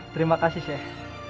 terima kasih sheikh